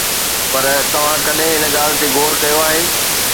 پر توهان ڪڏهن ان ڳالهه تي غور ڪيو آهي؟